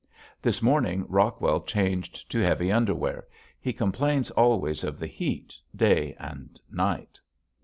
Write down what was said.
This morning Rockwell changed to heavy underwear. He complains always of the heat, day and night.